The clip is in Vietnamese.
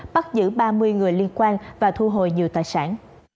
bắt giữ ba mươi người liên quan và thu hồi nhiều tài sản